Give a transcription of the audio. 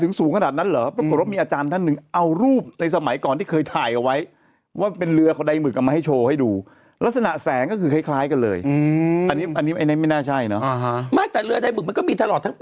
เลขชุดก็คือยี่ปัวเค้าเอามารวมเอง